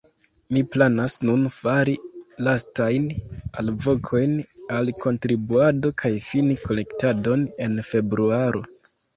Ni planas nun fari lastajn alvokojn al kontribuado kaj fini kolektadon en februaro.